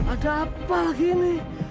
ada apa lagi ini